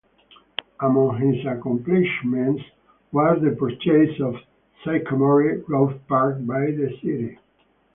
Among his accomplishments was the purchase of Sycamore Grove Park by the city.